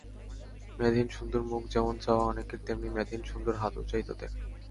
মেদহীন সুন্দর মুখ যেমন চাওয়া অনেকের, তেমনি মেদহীন সুন্দর হাতও চাই তাঁদের।